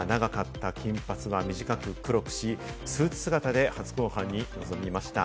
長かった金髪は短く黒くし、スーツ姿で初公判に臨みました。